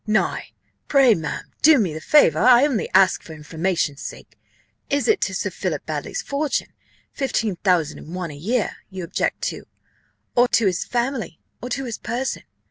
"Nay, pray, ma'am, do me the favour I only ask for information sake is it to Sir Philip Baddely's fortune, 15,000l. a year, you object, or to his family, or to his person?